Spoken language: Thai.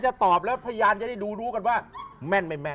จะตอบแล้วพยานจะได้ดูรู้กันว่าแม่นไม่แม่น